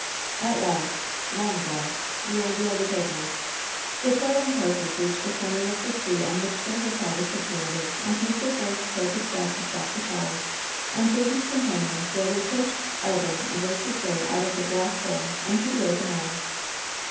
At last — "long last" — the ordeal was over. The toil ing horses reached the corner of the street on which their hotel was situated, and Mr. Force pulled the strap to stop the car, and with his companion slowly pushed, elbowed and worked his way out of the "black hole" in the open air.